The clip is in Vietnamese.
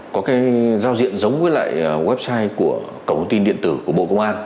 có giao diện giống với website của công tin điện tử của bộ công an